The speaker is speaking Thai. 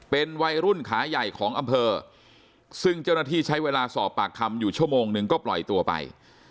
เป็นวัยรุ่นขาใหญ่ของอำเภอซึ่งเจ้าหน้าที่ใช้เวลาสอบปากคำอยู่ชั่วโมงนึงก็ปล่อยตัวไป